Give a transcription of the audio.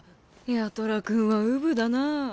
八虎君はうぶだな。